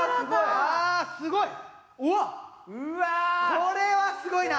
これはすごいな。